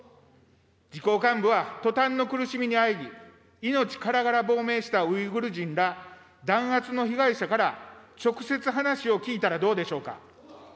自公幹部は、塗炭の苦しみにあえぎ、命からがら亡命したウイグル人ら弾圧の被害者から、直接、話を聞いたらどうでしょうか。